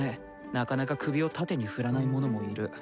なかなか首を縦に振らない者もいる。